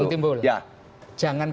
bang timbul jangan